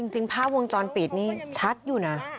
จริงภาพวงจรปิดนี่ชัดอยู่นะ